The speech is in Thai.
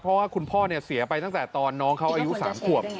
เพราะว่าคุณพ่อเสียไปตั้งแต่ตอนน้องเขาอายุ๓ขวบ